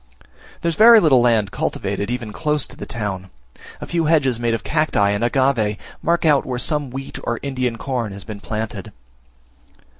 There is very little land cultivated even close to the town. A few hedges, made of cacti and agave, mark out where some wheat or Indian corn has been planted.